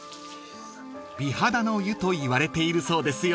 ［美肌の湯といわれているそうですよ］